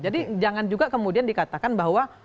jadi jangan juga kemudian dikatakan bahwa